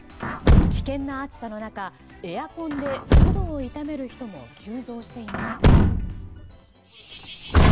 危険な暑さの中エアコンでのどを痛める人も急増しています。